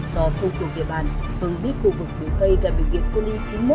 do thông thường địa bàn hưng biết khu vực biển cây gần bệnh viện cô ni chín mươi một